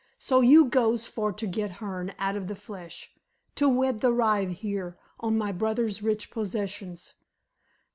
So you goes for to get Hearne out of the flesh, to wed the rye here on my brother's rich possessions.